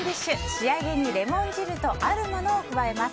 仕上げにレモン汁とあるものを加えます。